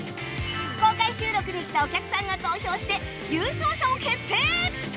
公開収録で来たお客さんが投票して優勝者を決定！